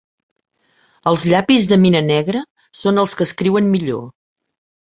Els llapis de mina negra són els que escriuen millor.